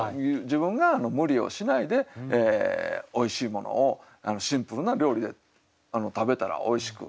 自分が無理をしないでおいしいものをシンプルな料理で食べたらおいしく。